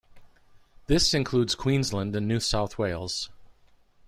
This includes Queensland and New South Wales.